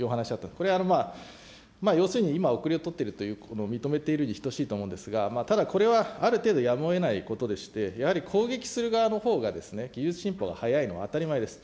これは要するに今、後れを取っているということを認めているに等しいと思いますが、でもこれはある程度やむをえないことでして、やはり攻撃する側のほうが技術進歩が速いのは当たり前です。